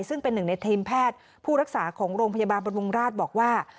ซึ่งเป็นหนึ่งในทีมแพทย์ผู้รักษาของโรงพยาบาลบรรวงราชบอกว่า